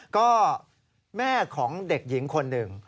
ก็แม่ของเด็กหญิงคนหนึ่ง